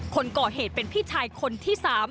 คนก่อเหตุเป็นพี่ชายคนที่๓